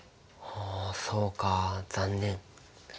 はあそうか残念。